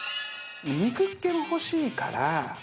肉っ気も欲しいから。